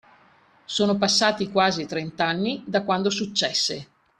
Sono passati quasi trent'anni da quando successe.